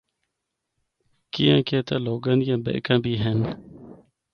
کیانکہ اِتھا لوگاں دیاں بہکاں بھی ہن۔